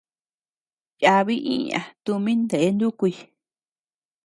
Yabi iña tumin nee nukuy.